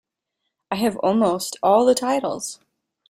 I have almost all the titles.